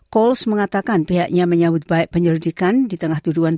coles mengatakan pihaknya menyambut baik penyelidikan di tengah tuduhan bahwa raksasa